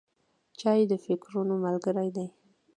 چای د فکرونو ملګری دی.